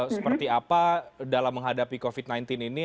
seperti apa dalam menghadapi covid sembilan belas ini